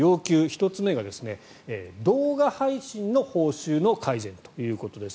１つ目が動画配信の報酬の改善ということです。